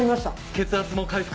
血圧も回復。